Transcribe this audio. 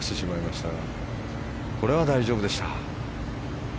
しかし、これは大丈夫でした。